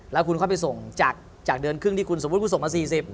แล้วคุณค่อยไปส่งจากเดือนครึ่งที่คุณสมมุติคุณส่งมา๔๐